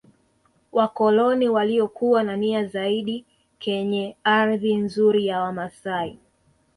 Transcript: Wakoloni walikuwa na nia zaidi kenye ardhi nzuri ya wamasai